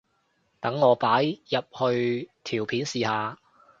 等我擺入去條片試下